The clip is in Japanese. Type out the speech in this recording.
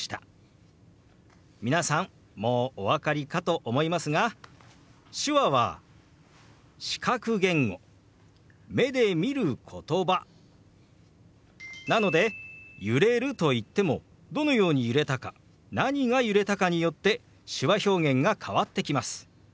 皆さんもうお分かりかと思いますが手話は視覚言語目で見る言葉なので揺れると言ってもどのように揺れたか何が揺れたかによって手話表現が変わってきます。